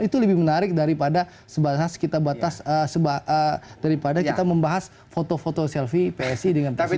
itu lebih menarik daripada kita membahas foto foto selfie psi dengan presiden